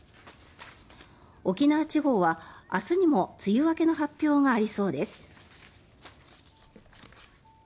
沖縄地方は明日にも梅雨明けの発表がありそうです。